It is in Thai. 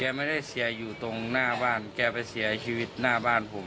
ไม่ได้เสียอยู่ตรงหน้าบ้านแกไปเสียชีวิตหน้าบ้านผม